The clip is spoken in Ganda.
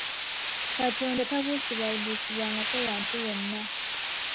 Katonda tabuusibwabuusibwangako wantu wonna.